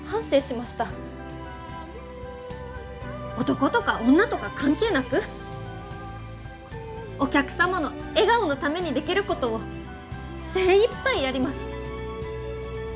男とか女とか関係なくお客様の笑顔のためにできることを精いっぱいやります！